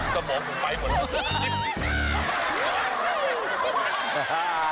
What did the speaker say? กระหม่อกูไปบ้าง